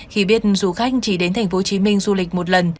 khi biết du khách chỉ đến tp hcm du lịch một lần